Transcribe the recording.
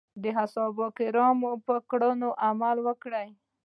د اصحابو کرامو په کړنو عمل وکړو.